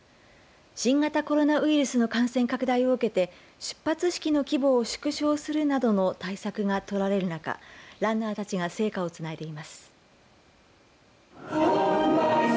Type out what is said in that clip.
新型コロナウイルスの感染拡大を受けて出発式の規模を縮小するなどの対策が取られるなかランナーたちが聖火をつないでいます。